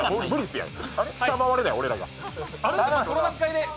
下回れない俺らが。